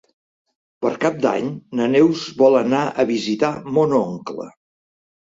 Per Cap d'Any na Neus vol anar a visitar mon oncle.